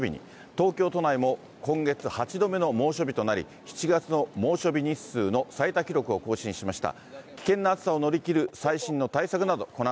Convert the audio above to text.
東京都内も今月８度目の猛暑日となり、７月の猛暑日日数の最多記録を更新しました。